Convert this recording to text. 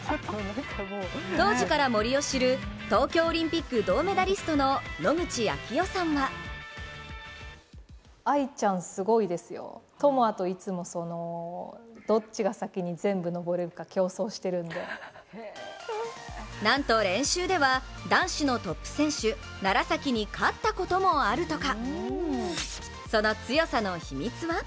当時から森を知る東京オリンピック銅メダリストの野口啓代さんはなんと練習では、男子のトップ選手楢崎に勝ったこともあるとか！